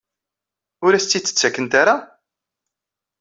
Ur as-tt-id-ttakent ara?